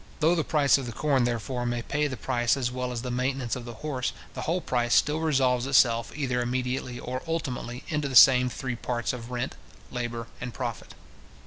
Though the price of the corn, therefore, may pay the price as well as the maintenance of the horse, the whole price still resolves itself, either immediately or ultimately, into the same three parts of rent, labour, and profit.